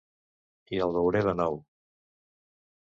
I el veuré de nou.